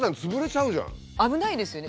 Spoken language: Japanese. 危ないですよね